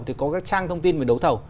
thì có các trang thông tin về đấu thầu